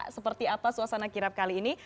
seperti apa suasana kirap kali ini